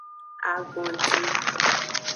Agondi.